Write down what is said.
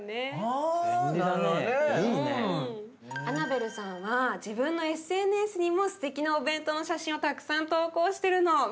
アナベルさんは自分のＳＮＳにもすてきなお弁当の写真をたくさん投稿してるの。